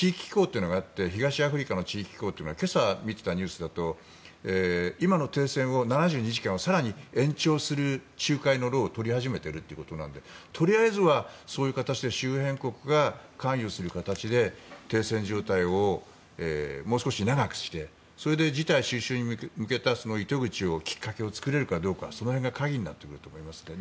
東アフリカの地域機構というのがあって今朝、見ていたニュースだと今の停戦を７２時間を更に延長する仲介の労を取り始めているということなのでとりあえずはそういう形で周辺国が関与する形で停戦状態をもう少し長くしてそれで事態収拾に向けた糸口をきっかけを作れるかどうかその辺が鍵になってくると思いますね。